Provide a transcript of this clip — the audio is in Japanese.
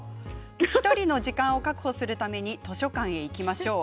１人の時間を確保するために図書館へ行きましょう。